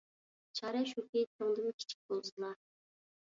چارە شۇكى، چوڭدىن كىچىك بولسىلا.